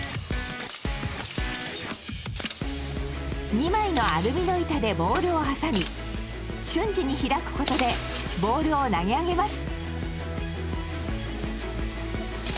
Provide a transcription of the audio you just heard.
２枚のアルミの板でボールを挟み瞬時に開くことでボールを投げ上げます。